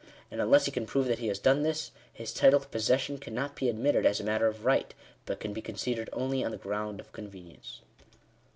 And unless he can prove that he has done this, his title to possession cannot be admitted as a matter of right, but can be conceded only on the ground of convenience.